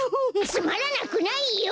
つまらなくないよ！